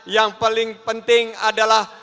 yang paling penting adalah